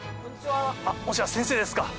もしや先生ですか？